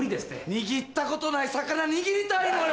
握ったことない魚握りたいのよ！